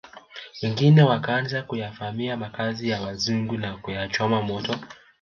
Wengine wakaanza kuyavamia makazi ya wazungu na kuyachoma moto